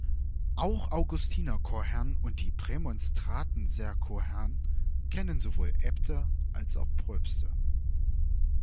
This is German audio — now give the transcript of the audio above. Auch Augustiner-Chorherren und die Prämonstratenserchorherren kennen sowohl Äbte als auch Pröpste.